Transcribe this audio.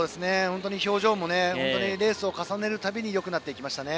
表情もレースを重ねるたびによくなっていきましたね。